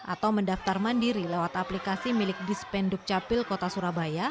atau mendaftar mandiri lewat aplikasi milik dispenduk capil kota surabaya